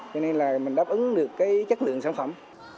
cho nên là mình đáp ứng được cái chất lượng sản phẩm